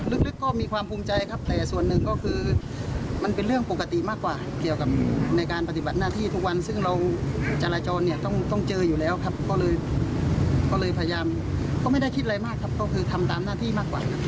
ลึกก็มีความภูมิใจครับแต่ส่วนหนึ่งก็คือมันเป็นเรื่องปกติมากกว่าเกี่ยวกับในการปฏิบัติหน้าที่ทุกวันซึ่งเราจราจรเนี่ยต้องเจออยู่แล้วครับก็เลยก็เลยพยายามก็ไม่ได้คิดอะไรมากครับก็คือทำตามหน้าที่มากกว่าครับ